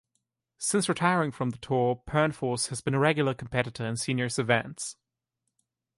Since retiring from the tour, Pernfors has been a regular competitor in seniors events.